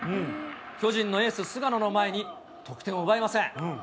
巨人のエース、菅野の前に、得点を奪えません。